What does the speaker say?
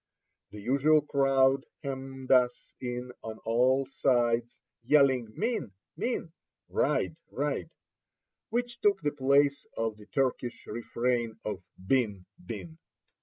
The usual crowd hemmed us in on all sides, yelling, "Min, min!" ("Ride, ride!"), which took the place of the Turkish refrain of "Bin, bin!"